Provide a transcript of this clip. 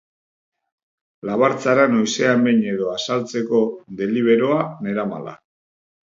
Labartzara noizean behin edo azaltzeko deliberoa neramala.